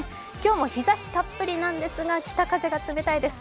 今日も日ざしたっぷりですが北風が冷たいです。